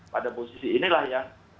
pada posisi inilah yang